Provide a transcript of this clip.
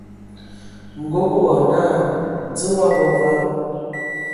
Nkɔg wɔ naa "Dze o abɔ va ?".